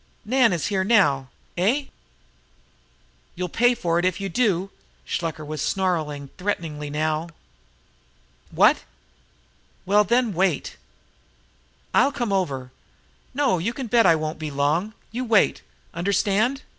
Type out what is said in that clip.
Nan is here now....Eh?....You'll pay for it if you do!" Shluker was snarling threateningly now. "What?....Well, then, wait! I'll come over....No, you can bet I won't be long! You wait! Understand?"